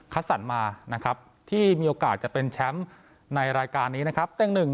สรรมานะครับที่มีโอกาสจะเป็นแชมป์ในรายการนี้นะครับ